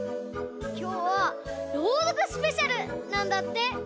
きょうは「ろうどくスペシャル」なんだって！